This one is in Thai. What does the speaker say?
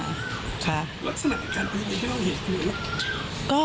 ลักษณะอาการอะไรที่เราเห็น